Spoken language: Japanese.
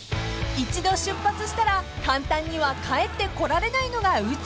［一度出発したら簡単には帰ってこられないのが宇宙］